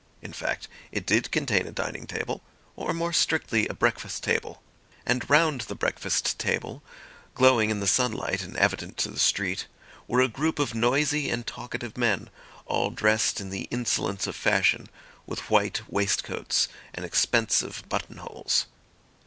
In fact, it did contain a dining table, or more strictly a breakfast table; and round the breakfast table, glowing in the sunlight and evident to the street, were a group of noisy and talkative men, all dressed in the insolence of fashion, with white waistcoats and expensive button holes.